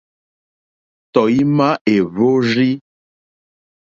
Tɔ̀ímá èhwórzí.